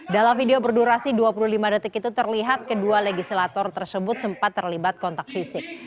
dalam video berdurasi dua puluh lima detik itu terlihat kedua legislator tersebut sempat terlibat kontak fisik